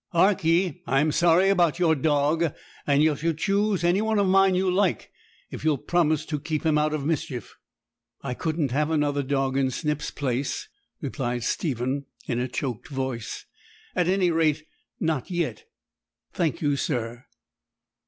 Hark ye, I'm sorry about your dog, and you shall choose any one of mine you like, if you'll promise to keep him out of mischief.' 'I couldn't have another dog in Snip's place,' replied Stephen in a choked voice; 'at any rate not yet, thank you, sir.'